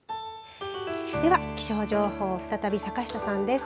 では気象情報再び坂下さんです。